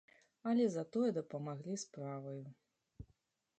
Але затое дапамаглі справаю.